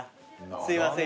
すいません